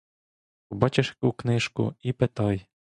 Побачиш яку книжку — і питай.